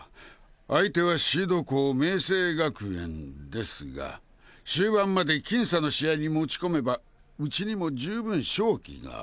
相手はシード校明青学園ですが終盤まで僅差の試合に持ち込めばウチにも十分勝機が。